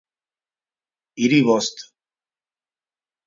Hiri bost!